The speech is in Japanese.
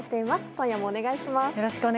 今夜もお願いします。